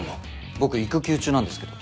僕、育休中なんですけど。